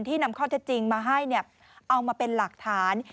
นำข้อเท็จจริงมาให้เอามาเป็นหลักฐาน